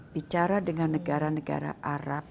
bicara dengan negara negara arab